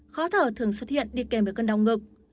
khó thở thường xuất hiện đi kèm với cơn đau ngực